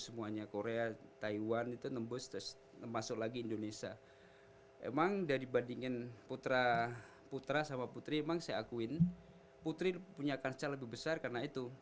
semuanya korea taiwan itu membesar masuk lagi indonesia emang dibandingin putra putra sama putri emang saya akuin putri punya kecerahan lebih besar karena itu